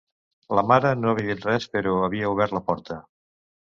La mare no havia dit res però havia obert la porta.